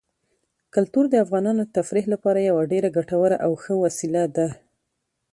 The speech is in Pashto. کلتور د افغانانو د تفریح لپاره یوه ډېره ګټوره او ښه وسیله ده.